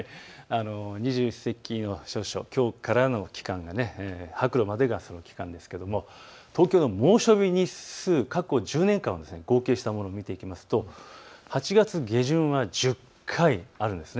二十四節気の処暑、きょうからの期間、白露までがその期間ですが東京の猛暑日日数、過去１０年間を合計したものを見ていきますと８月下旬は１０回あるんです。